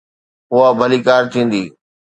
اها ڀليڪار ٿيندي.